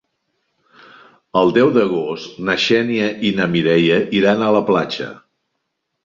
El deu d'agost na Xènia i na Mireia iran a la platja.